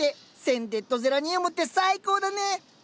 センテッドゼラニウムって最高だね！